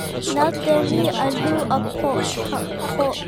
Naute nih a lu a phawh khawh cang.